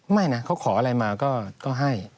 ไม่นะเขาขออะไรมาก็ให้